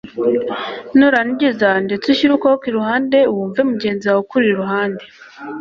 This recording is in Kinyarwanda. nurangiza ndetse ushyire ukuboko iruhande wumve mugenzi wawe ukuri iruhande